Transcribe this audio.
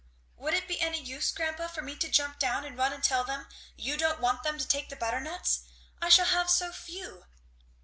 "Would it be any use, grandpa, for me to jump down and run and tell them you don't want them to take the butternuts? I shall have so few."